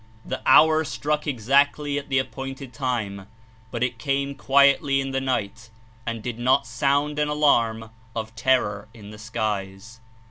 The "hour" struck exactly at the ap pointed time, but it came quietly "in the night" and did not sound an alarm of terror in the skies.